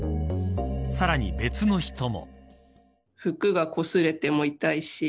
さらに別の人も。